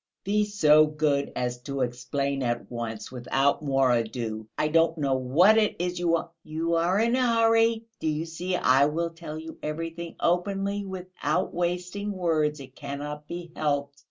"Be so good as to explain at once, without more ado; I don't know what it is you want...." "You are in a hurry. Do you see, I will tell you everything openly, without wasting words. It cannot be helped.